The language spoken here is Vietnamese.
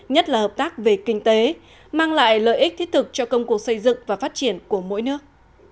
nhất là hợp tác về kinh tế mang lại lợi ích thiết thực cho công cuộc xây dựng và phát triển của mỗi nước